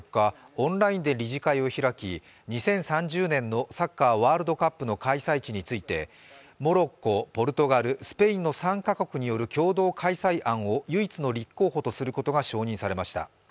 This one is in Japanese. オンラインで理事会を開き２０３０年のサッカーワールドカップの開催地についてモロッコ、ポルトガル、スペインの３か国による共同開催案を唯一の立候補とすることが承認されました。